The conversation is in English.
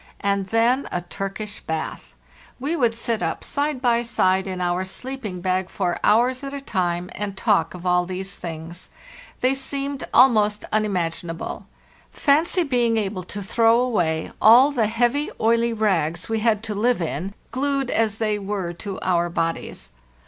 And then a Turkish bath! We would sit up side by side in our sleepine bae for hours at a yy, oOo oO 462 FARTHEST NORTH time and talk of all these things. They seemed almost unimaginable. Fancy being able to throw away all the heavy, oily rags we had to live in, glued as they were to our bodies!